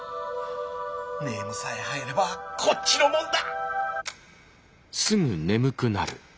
ネームさえ入ればこっちのもんだ！